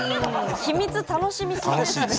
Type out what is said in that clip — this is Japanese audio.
秘密楽しみすぎですね。